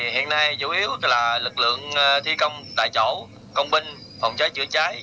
hiện nay chủ yếu là lực lượng thi công tại chỗ công binh phòng cháy chữa cháy